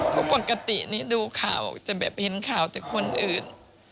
เพราะปกตินี่ดูข่าวจะแบบเห็นข่าวแต่คนอื่น